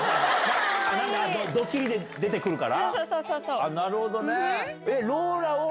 ドッキリで出てくるから？